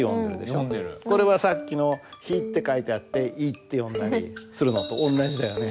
これはさっきの「ひ」って書いてあって「い」って読んだりするのと同じだよね。